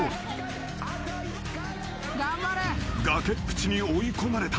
［崖っぷちに追い込まれた］